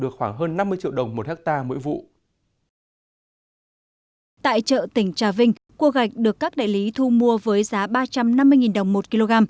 cua gạch được các đại lý thu mua với giá ba trăm năm mươi đồng một kg